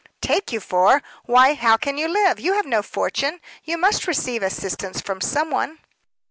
"Take you for! Why, how can you live? You have no fortune you must receive assistance from some one."